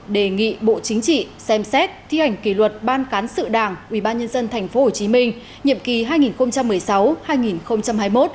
đề nghị bộ chính trị xem xét thi hành kỷ luật ban cán sự đảng ubnd tp hcm nhiệm kỳ hai nghìn một mươi sáu hai nghìn hai mươi một